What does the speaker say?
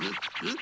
ん？